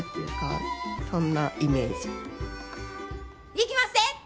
いきまっせ！